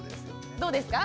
どうですか？